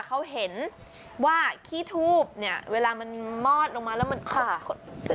เขาเห็นว่าขี้ทูบเนี่ยเวลามันมอดลงมาแล้วมันขด